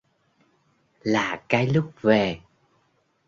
lạ cái lúc về